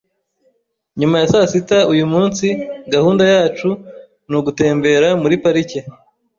Nyuma ya sasita uyumunsi, gahunda yacu ni ugutembera muri parike.